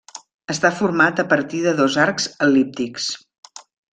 Està format a partir de dos arcs el·líptics.